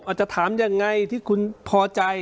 จะถามยังไงที่คุณพอใจ